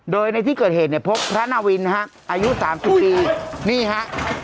โดยในที่เกิดเหตุเนี่ยพบพระนาวินนะฮะอายุ๓๐ปีนี่ฮะ